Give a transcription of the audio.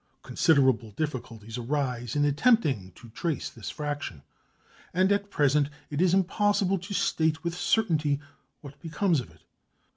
Considerable difficulties arise in attempting to trace this fraction, and at present it is impossible to state with certainty what becomes of it.